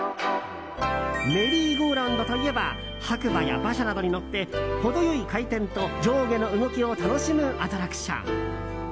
メリーゴーラウンドといえば白馬や馬車などに乗って程良い回転と上下の動きを楽しむアトラクション。